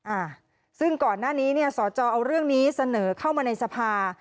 อ่าซึ่งก่อนหน้านี้เนี่ยสอจอเอาเรื่องนี้เสนอเข้ามาในสภา